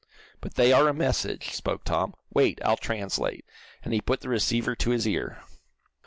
"But they are a message," spoke Tom. "Wait, I'll translate," and he put the receiver to his ear.